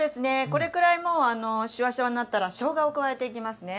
これくらいもうあのシワシワになったらしょうがを加えていきますね。